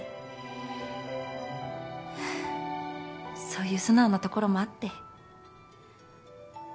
そういう素直なところもあって。